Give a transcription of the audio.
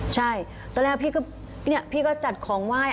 ใช่ตอนแรกพี่ก็จัดของไหว้